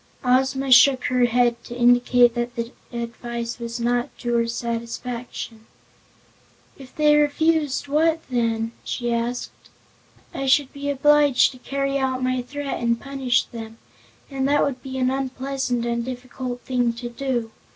Ozma shook her head, to indicate that the advice was not to her satisfaction. "If they refuse, what then?" she asked. "I should be obliged to carry out my threat and punish them, and that would be an unpleasant and difficult thing to do.